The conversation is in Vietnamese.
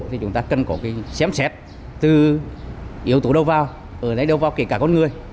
thì chúng ta cần có cái xém xét từ yếu tố đâu vào ở nơi đâu vào kể cả con người